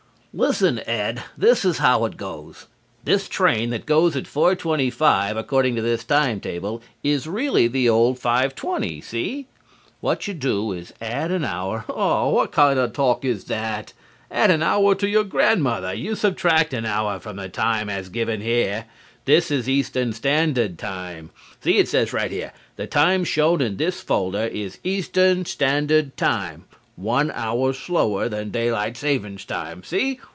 "Listen, Ed. This is how it goes. This train that goes at 4:25 according to this time table is really the old 5:20. See? What you do is add an hour" "Aw, what kind of talk is that? Add an hour to your grandmother! You subtract an hour from the time as given here. This is Eastern Standard Time. See, it says right here: 'The time shown in this folder is Eastern Standard Time, one hour slower than Daylight Saving Time.' See?